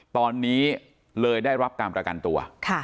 ตอนนี้เลยได้รับการประกันตัว